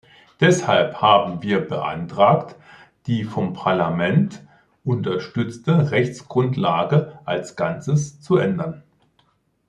Deshalb haben wir beantragt, die vom Parlament unterstützte Rechtsgrundlage als Ganzes zu ändern.